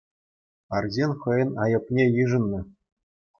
Арҫын хӑйӗн айӑпне йышӑннӑ.